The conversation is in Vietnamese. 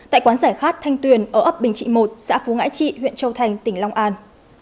tại quán giải khát thanh tuyền ở ấp bình trị một xã phú ngãi trị huyện châu thành tỉnh long an